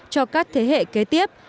cho các thế hệ kế tiếp